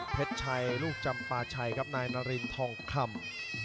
ชัยลูกจำปาชัยครับนายนารินทองคำ